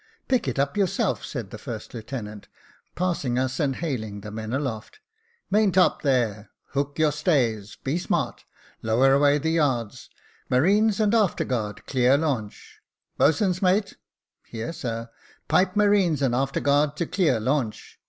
" Pick it up yourself," said the first lieutenant, passing us, and hailing the men aloft. " Maintop, there, hook on your stays. Be smart. Lower away the yards. Marines and after guard, clear launch. Boatswain's mate." " Here, sir." "Pipe marine, and after guard to clear launch."